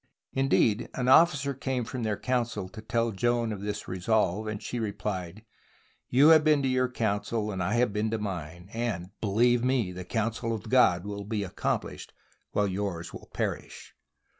Indeed, an officer came from their council to tell Joan of this resolve, and she replied: "You have been to your council and I have been to mine. And, be lieve me, the counsel of God will be accomplished while yours will perish."